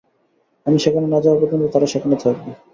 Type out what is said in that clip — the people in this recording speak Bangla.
আমি সেখানে না যাওয়া পর্যন্ত তারা সেখানে থাকবে।